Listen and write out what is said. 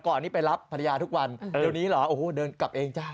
นี้ไปรับภรรยาทุกวันเดี๋ยวนี้เหรอโอ้โหเดินกลับเองจ้ะ